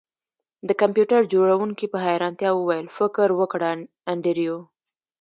د کمپیوټر جوړونکي په حیرانتیا وویل فکر وکړه انډریو